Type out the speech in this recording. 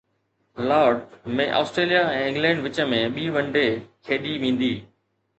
Lord's ۾ Australia ۽ England وچ ۾ ٻي one day کيڏي ويندي